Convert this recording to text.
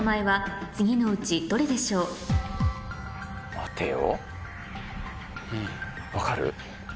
待てよ。